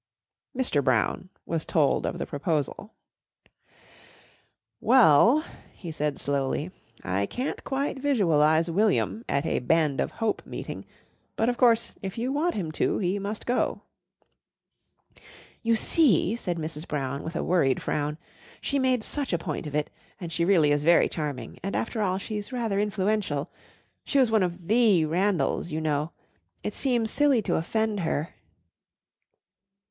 Mr. Brown was told of the proposal. "Well," he said slowly, "I can't quite visualise William at a Band of Hope meeting; but of course, if you want him to, he must go." "You see," said Mrs. Brown with a worried frown, "she made such a point of it, and she really is very charming, and after all she's rather influential. She was one of the Randalls, you know. It seems silly to offend her."